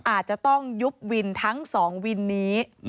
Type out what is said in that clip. อาจจะต้องยุบวินทั้ง๒วินนี้